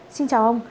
xin chào ông